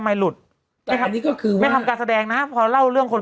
ไมลุดแต่อันนี้ก็คือว่าแม่ทำการแสดงนะฮะพอเล่าเรื่องคน